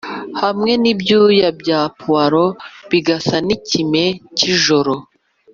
hamwe n'ibyuya bya puwaro bisa n'ikime cyijoro.